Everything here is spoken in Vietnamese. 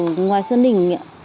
của ngoài xuân đỉnh ạ